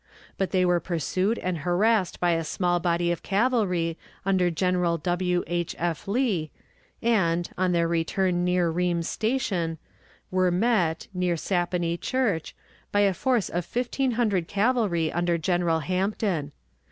But they were pursued and harassed by a small body of cavalry under General W. H. F. Lee, and, on their return near Ream's Station, were met, near Sapponey Church, by a force of fifteen hundred cavalry under General Hampton.